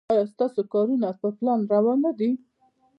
ایا ستاسو کارونه په پلان روان نه دي؟